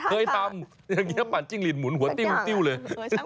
เคยทำอย่างนี้ปั่นจิ้งหลีดหมุนหัวจิ้มติ้วเลย